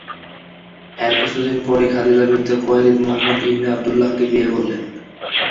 এর কিছুদিন পরই খাদীজা বিনতে খুয়াইলিদ মুহাম্মাদ ইবনে আব্দুল্লাহকে বিয়ে করলেন।